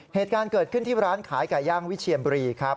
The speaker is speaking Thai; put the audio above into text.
เหตุการณ์เกิดขึ้นที่ร้านขายไก่ย่างวิเชียนบุรีครับ